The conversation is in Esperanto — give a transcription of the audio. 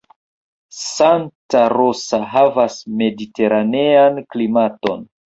Santa Rosa havas mediteranean klimaton.